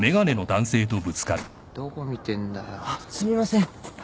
どこ見てんだよ。あっすみません。